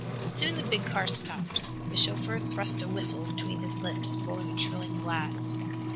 Soon the big car stopped. The chauffeur thrust a whistle between his lips, blowing a trilling blast.